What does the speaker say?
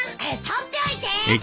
取っておいて。